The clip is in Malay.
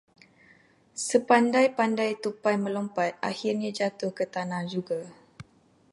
Sepandai-pandai tupai melompat, akhirnya jatuh ke tanah juga.